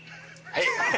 はい。